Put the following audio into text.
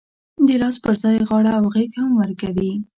د لاس پر ځای غاړه او غېږ هم ورکوي.